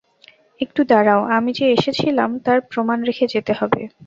একটু দাঁড়াও, আমি যে এসেছিলাম তার প্রমাণ রেখে যেতে হবে।